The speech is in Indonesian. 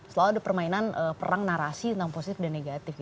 selalu ada permainan perang narasi tentang positif dan negatif